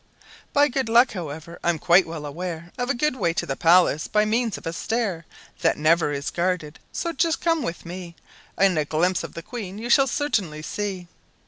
"By good luck, however, I'm quite well aware Of a way to the palace by means of a stair That never is guarded; so just come with me, And a glimpse of the Queen you shall certainly see."